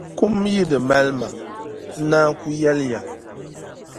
Kum n-yi di mali ma, n naan ku yɛli ya.